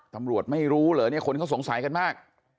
ตำรวจไม่รู้เหรอเนี่ยคนเขาสงสัยกันมาก